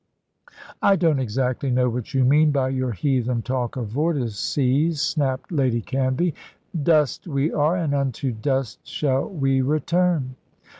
"I don't exactly know what you mean by your heathen talk of vortices," snapped Lady Canvey. "Dust we are, and unto dust shall we return."